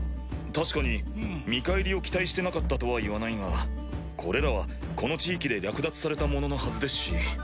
確かに見返りを期待してなかったとは言わないがこれらはこの地域で略奪されたもののはずですし。